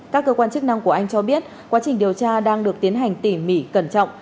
các cơ quan chức năng của anh cho biết quá trình điều tra đang được tiến hành tỉ mỉ cẩn trọng